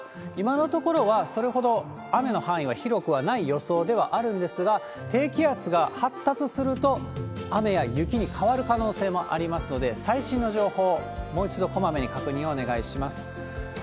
今のところはそれほど雨の範囲が広くはない予想ではあるんですが、低気圧が発達すると、雨や雪に変わる可能性もありますので、最新の情報をもう一度こまめに確認をお願いします。